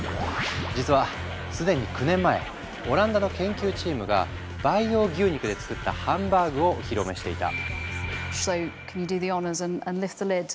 実は既に９年前オランダの研究チームが培養牛肉で作ったハンバーグをお披露目していた。